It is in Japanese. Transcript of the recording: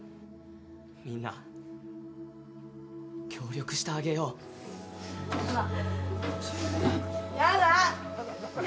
みんな協力してあげようチューヤダ！